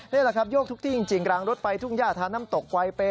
นี่แหละครับโยกทุกที่จริงรางรถไฟทุ่งย่าทานน้ำตกไวเป